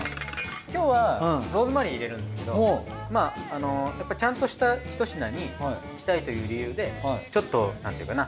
今日はローズマリー入れるんですけどちゃんとしたひと品にしたいという理由でちょっとなんていうかな